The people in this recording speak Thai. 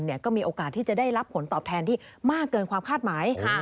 ก็มีโอกาสที่จะได้รับผลตอบแทนที่มากเกินความคาดหมาย